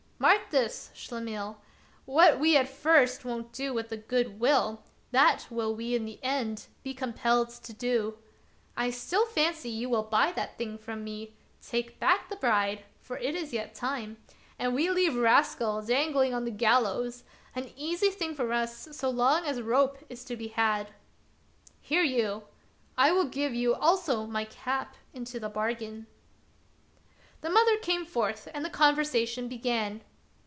" Mark this, Schlemihl, what we at first won't do with a good will, that will we in the end be compelled to. I still fancy you will buy that thing from me, take back the bride (for it is yet time), and we leave Rascal dangling on the gallows, an easy thing for us so long as rope is to be had. Hear you — I will give you also my cap into the bargain." The mother came forth and the conversation began.